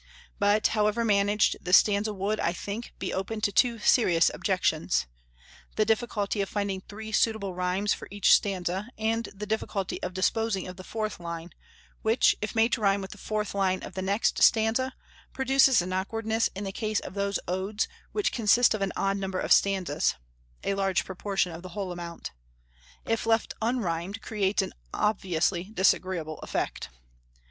But, however managed, this stanza would, I think, be open to two serious objections; the difficulty of finding three suitable rhymes for each stanza, and the difficulty of disposing of the fourth line, which, if made to rhyme with the fourth line of the next stanza, produces an awkwardness in the case of those Odes which consist of an odd number of stanzas (a large proportion of the whole amount), if left unrhymed, creates an obviously disagreeable effect.